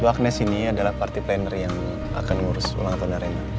bu agnez ini adalah party planner yang akan ngurus ulang tahunnya rena